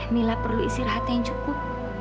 mila perlu istirahat yang cukup